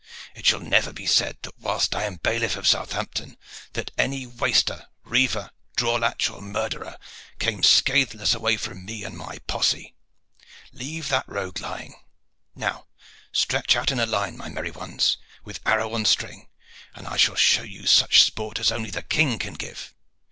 "It shall never be said, whilst I am bailiff of Southampton, that any waster, riever, draw latch or murtherer came scathless away from me and my posse. Leave that rogue lying. Now stretch out in line, my merry ones, with arrow on string, and I shall show you such sport as only the King can give.